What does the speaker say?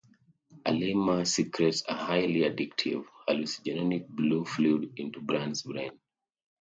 Aylmer secretes a highly addictive, hallucinogenic blue fluid into Brian's brain.